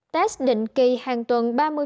test định kỳ hàng tuần